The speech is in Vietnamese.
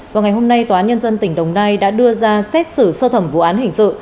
vào ngày hôm nay tòa án nhân dân tỉnh đồng nai đã đưa ra xét xử sơ thẩm vụ án hình sự